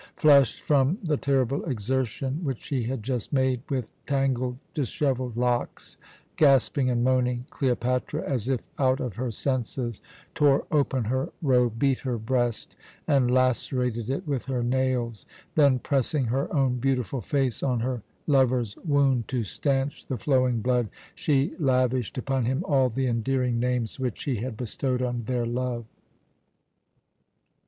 Flushed from the terrible exertion which she had just made, with tangled, dishevelled locks, gasping and moaning, Cleopatra, as if out of her senses, tore open her robe, beat her breast, and lacerated it with her nails. Then, pressing her own beautiful face on her lover's wound to stanch the flowing blood, she lavished upon him all the endearing names which she had bestowed on their love.